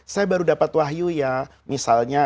saya baru dapat wahyu ya misalnya